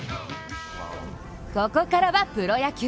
ここからはプロ野球。